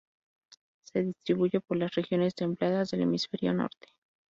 Se distribuye por las regiones templadas del Hemisferio Norte.